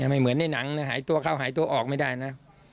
ไม่เหมือนในหนังเลยหายตัวเข้าหายตัวออกไม่ได้นะ